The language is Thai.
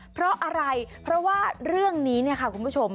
เพราะอะไรเพราะว่าเรื่องนี้เนี่ยค่ะคุณผู้ชม